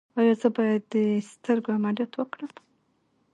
ایا زه باید د سترګو عملیات وکړم؟